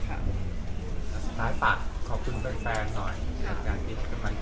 ขอขอบคุณเพื่อนแฟนหน่อย